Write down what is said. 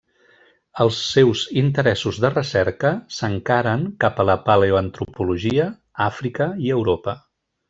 Els seus interessos de recerca s'encaren cap a la paleoantropologia, Àfrica i Europa.